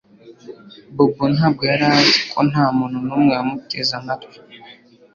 Bobo ntabwo yari azi ko ntamuntu numwe wamuteze amatwi